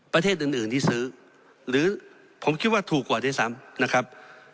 ประเทศอื่นที่ซื้อหรือผมคิดว่าถูกกว่าด้วยซ้ำนะครับ